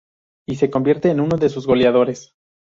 Y se convierte en uno de sus goleadores.